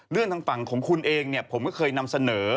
เรื่องทางฝั่งของคุณเองผมก็เคยนำเสนอ